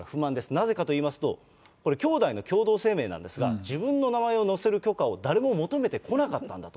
なぜかといいますと、これ、兄弟の共同声明なんですが、自分の名前を載せる許可を誰も求めてこなかったんだと。